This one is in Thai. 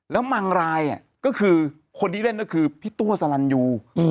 แล้วบางรายก็คือคนที่เล่นก็คือพี่ตัวสลันยู